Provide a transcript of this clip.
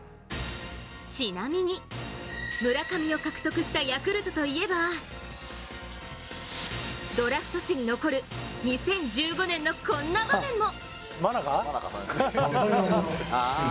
ちなみに、村上を獲得したヤクルトといえばドラフト史に残る２０１５年のこんな場面も。